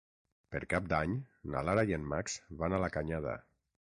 Per Cap d'Any na Lara i en Max van a la Canyada.